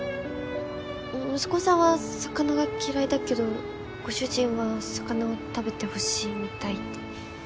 息子さんは魚が嫌いだけどご主人は魚を食べてほしいみたいで。